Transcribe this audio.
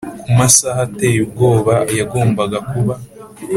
kumasaha ateye ubwoba yagombaga kuba: